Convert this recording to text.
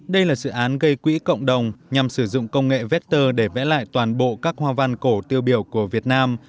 đây là dự án gây quỹ cộng đồng nhằm sử dụng công nghệ vector để vẽ lại toàn bộ các hoa văn cổ tiêu biểu của việt nam